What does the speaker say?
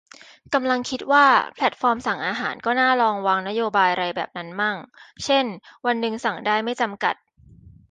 กำลังคิดว่า แพลตฟอร์มสั่งอาหารก็น่าลองวางนโยบายไรแบบนั้นมั่ง เช่น วันนึงสั่งได้ไม่จำกัด